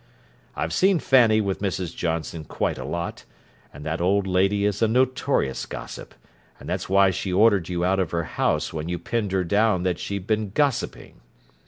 I've seen Fanny with Mrs. Johnson quite a lot; and that old lady is a notorious gossip, and that's why she ordered you out of her house when you pinned her down that she'd been gossiping.